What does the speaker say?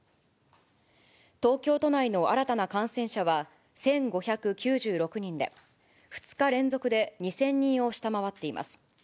東京都内の新たな感染者は１５９６人で、２日連続で２０００人を下回っています。